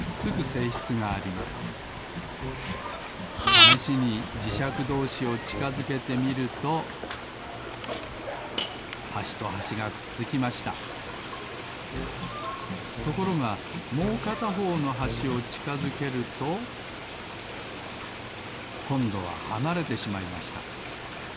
ためしにじしゃくどうしをちかづけてみるとはしとはしがくっつきましたところがもうかたほうのはしをちかづけるとこんどははなれてしまいました。